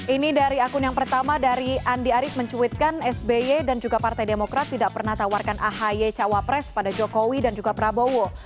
ini dari akun yang pertama dari andi arief mencuitkan sby dan juga partai demokrat tidak pernah tawarkan ahy cawapres pada jokowi dan juga prabowo